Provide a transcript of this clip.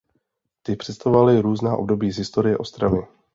Ty představovaly různá období z historie Ostravy.